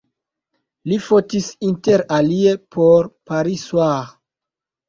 Li fotis inter alie por Paris-Soir.